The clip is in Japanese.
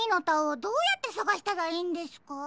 どうやってさがしたらいいんですか？